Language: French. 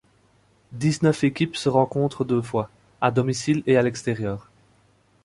Dix-neuf équipes se rencontrèrent deux fois, à domicile et à l'extérieur.